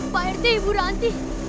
pak rt ibu ranti